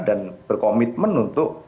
dan berkomitmen untuk